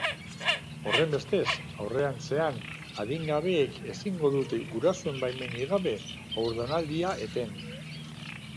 Horrenbestez, aurrerantzean adingabeek ezingo dute gurasoen baimenik gabe haurdunaldia eten.